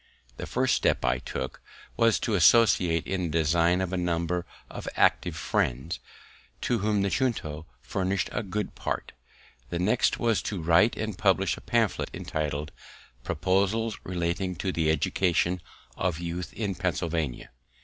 The first step I took was to associate in the design a number of active friends, of whom the Junto furnished a good part; the next was to write and publish a pamphlet, entitled Proposals Relating to the Education of Youth in Pennsylvania.